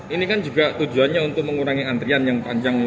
ini kan juga tujuannya untuk mengurangi antrian yang panjang